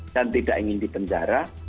dan tidak ingin dipenjara